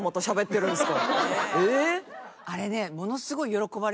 あれね。